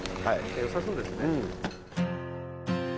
よさそうですね。